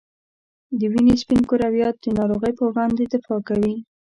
د وینې سپین کرویات د ناروغۍ په وړاندې دفاع کوي.